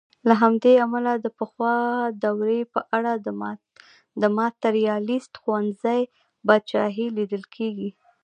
له همدې امله د پخوا دورې په اړه د ماتریالیسټ ښوونځي پاچاهي لیدل کېږي.